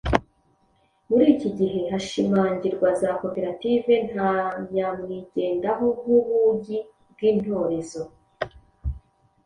mur'iki gihe hashimangirwa za koperative nta nyamwigendaho nk'ubugi bw'intorezo